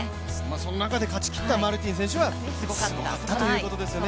その中で勝ちきったマルティン選手はすごかったということですね。